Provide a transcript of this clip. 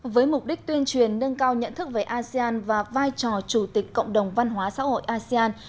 với mục đích tuyên truyền nâng cao nhận thức về asean và vai trò chủ tịch cộng đồng văn hóa xã hội asean